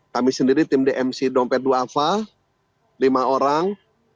kami sendiri tim dmc dompet dua afa lima orang